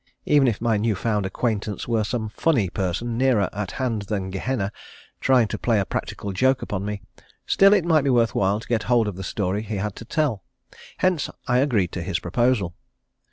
Even if my new found acquaintance were some funny person nearer at hand than Gehenna trying to play a practical joke upon me, still it might be worth while to get hold of the story he had to tell. Hence I agreed to his proposal.